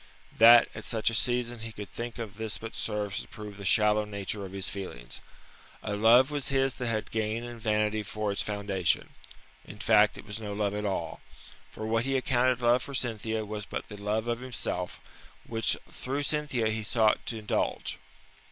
That at such a season he could think of this but serves to prove the shallow nature of his feelings. A love was his that had gain and vanity for its foundation in fact, it was no love at all. For what he accounted love for Cynthia was but the love of himself, which through Cynthia he sought to indulge.